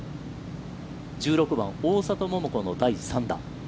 １６番、大里桃子の第３打。